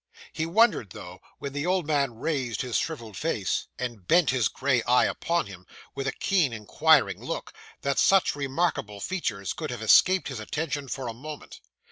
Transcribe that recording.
He wondered, though, when the old man raised his shrivelled face, and bent his gray eye upon him, with a keen inquiring look, that such remarkable features could have escaped his attention for a moment.